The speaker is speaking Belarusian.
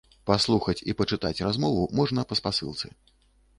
Паслухаць і пачытаць размову можна па спасылцы.